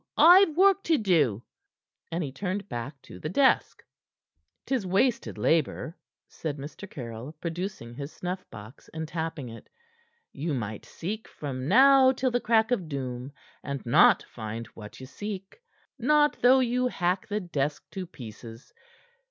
I've work to do." And he turned back to the desk. "'Tis wasted labor," said Mr. Caryll, producing his snuff box, and tapping it. "You might seek from now till the crack of doom, and not find what ye seek not though you hack the desk to pieces.